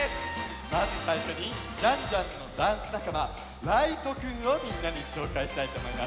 まずさいしょにジャンジャンのダンスなかまライトくんをみんなにしょうかいしたいとおもいます。